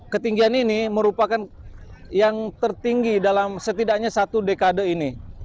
ketinggian ini merupakan yang tertinggi dalam setidaknya satu dekade ini